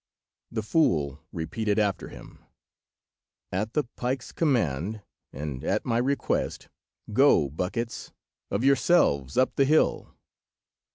'" The fool repeated after him— "At the pike's command, and at my request, go, buckets, of yourselves up the hill."